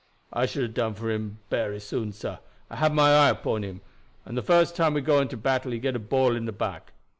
I should hab done for him bery soon, sah. I had my eye upon him, and the fust time we go into battle he get a ball in his back.